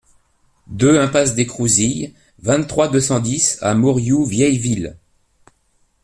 deux impasse des Crouzilles, vingt-trois, deux cent dix à Mourioux-Vieilleville